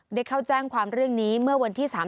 ได้เข้าแจ้งความเรื่องนี้เมื่อวันที่๓๐